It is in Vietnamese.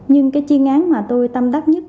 nhưng cái chuyên án mà tôi tâm đắc nhất